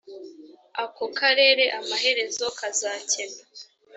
ako karere amaherezo kazakena